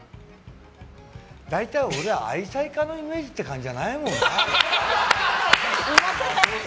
大体、俺、愛妻家のイメージって感じじゃないもんな。